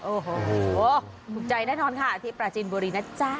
โอ้โหถูกใจแน่นอนค่ะที่ปราจีนบุรีนะจ๊ะ